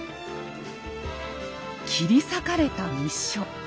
切り裂かれた密書。